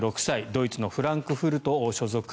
ドイツのフランクフルト所属。